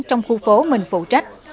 trong khu phố mình phụ trách